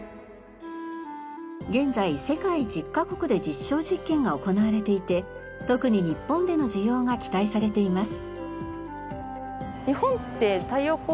現在世界１０カ国で実証実験が行われていて特に日本での需要が期待されています。